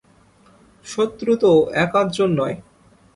শত্রু তো এক-আধ জন নয়।